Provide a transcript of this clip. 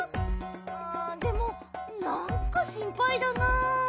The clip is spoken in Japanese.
ああでもなんかしんぱいだなあ。